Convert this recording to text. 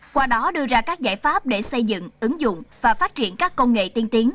qua đó đưa ra các giải pháp để xây dựng ứng dụng và phát triển các công nghệ tiên tiến